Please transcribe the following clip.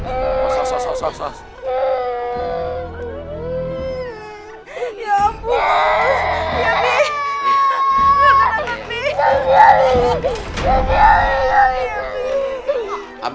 gak kenapa bi